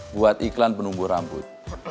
buat iklan penumbuh rambut